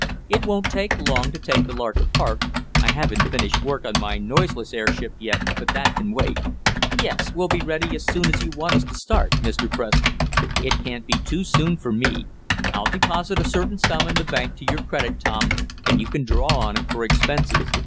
It won't take long to take the Lark apart. I haven't finished work on my noiseless airship yet, but that can wait. Yes, we'll be ready as soon as you want us to start, Mr. Preston." "It can't be too soon for me. I'll deposit a certain sum in the bank to your credit, Tom, and you can draw on it for expenses.